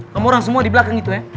sama orang semua di belakang itu ya